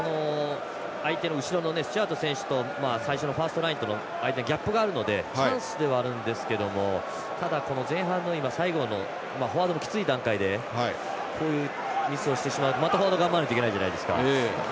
相手の後ろのスチュワード選手と最初のファーストラインとの間にギャップがあるのでチャンスではあるんですけどもただ、前半の最後のフォワードがきつい段階でこういうミスをしてしまうまたフォワード頑張らないといけないじゃないですか。